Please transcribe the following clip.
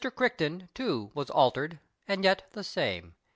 Crichton, too, was altered and yet the same.